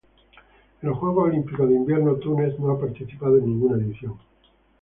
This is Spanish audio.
En los Juegos Olímpicos de Invierno Túnez no ha participado en ninguna edición.